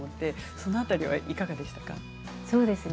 その辺りは、いかがですか。